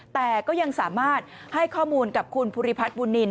แต่ก็ยังสามารถให้ข้อมูลกับคุณภูริพัฒนบุญนิน